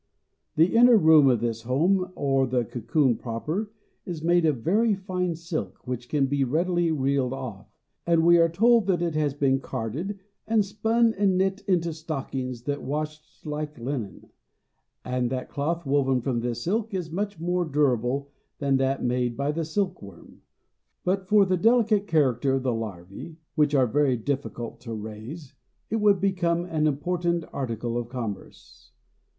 The inner room of this home or the cocoon proper is made of very fine silk, which can be readily reeled off, and we are told that it has been carded and spun and knit into stockings that washed like linen, and that cloth woven from this silk is much more durable than that made by the silk worm. But for the delicate character of the larvæ, which are very difficult to raise, it would become an important article of commerce.